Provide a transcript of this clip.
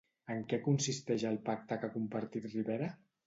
En què consisteix el pacte que ha compartit Rivera?